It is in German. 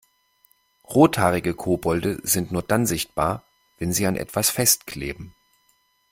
Rothaarige Kobolde sind nur dann sichtbar, wenn sie an etwas festkleben.